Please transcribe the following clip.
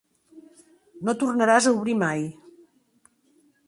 No tornaràs a obrir mai.